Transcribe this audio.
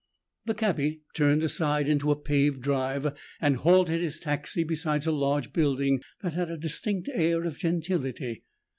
The cabbie turned aside into a paved drive and halted his taxi beside a large building that had a distinct air of gentility.